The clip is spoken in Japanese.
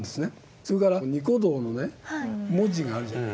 それからニコ動の文字があるじゃない？